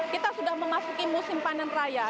kita sudah memasuki musim panen raya